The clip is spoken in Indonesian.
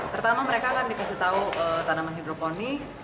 pertama mereka akan dikasih tahu tanaman hidroponik